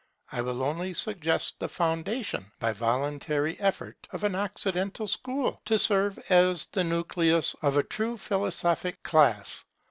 I will only suggest the foundation, by voluntary effort, of an Occidental School, to serve as the nucleus of a true philosophic class.